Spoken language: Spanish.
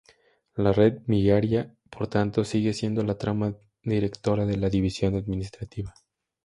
La red viaria, por tanto, sigue siendo la trama directora de la división administrativa.